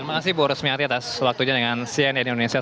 terima kasih bu rosmiati atas waktu ini dengan cnn indonesia